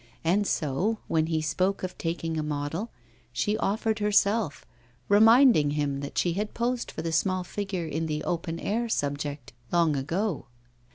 And so, when he spoke of taking a model, she offered herself, reminding him that she had posed for the figure in the 'Open Air' subject, long ago.